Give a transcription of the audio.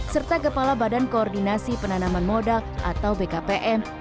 serta kepala badan koordinasi penanaman modal atau bkpm